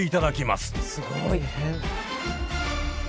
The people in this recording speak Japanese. すごい。大変。